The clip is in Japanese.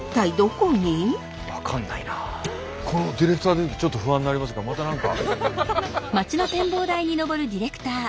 このディレクター出てくるとちょっと不安になりますがまた何か。